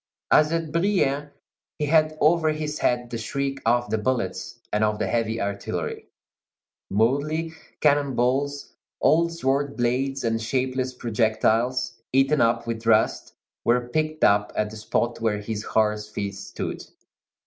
As at Brienne, he had over his head the shriek of the bullets and of the heavy artillery. Mouldy cannon balls, old sword blades, and shapeless projectiles, eaten up with rust, were picked up at the spot where his horse's feet stood.